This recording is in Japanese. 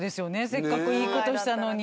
せっかくいいことしたのに。